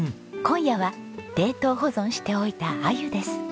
今夜は冷凍保存しておいたアユです。